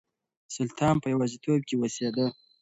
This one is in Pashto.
سلطان په يوازيتوب کې اوسېده.